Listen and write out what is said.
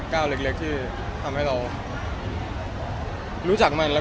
ก้าวเล็กที่ทำให้เรารู้จักมัน